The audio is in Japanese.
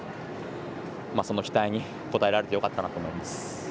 その期待に応えられてよかったと思います。